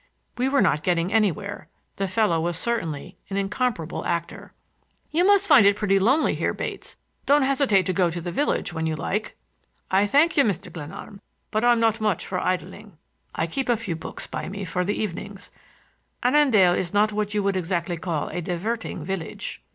We were not getting anywhere; the fellow was certainly an incomparable actor. "You must find it pretty lonely here, Bates. Don't hesitate to go to the village when you like." "I thank you, Mr. Glenarm; but I am not much for idling. I keep a few books by me for the evenings. Annandale is not what you would exactly call a diverting village."